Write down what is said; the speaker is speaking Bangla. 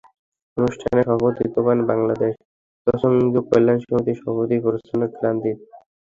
অনুষ্ঠানে সভাপতিত্ব করেন বাংলাদেশ তঞ্চঙ্গ্যা কল্যাণ সমিতির সভাপতি প্রসন্ন কান্তি তঞ্চঙ্গ্যা।